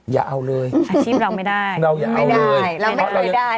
อย่าเอาเลยอาชีพเราไม่ได้เราอย่าเอาไม่ได้เราไม่เคยได้